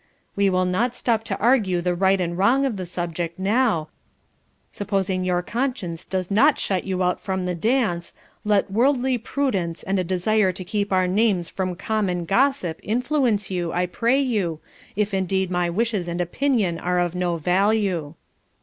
We will not stop to argue the right and wrong of the subject now, supposing your conscience does not shut you out from the dance, let worldly prudence and a desire to keep our names from common gossip, influence you, I pray you, if indeed my wishes and opinion are of no value."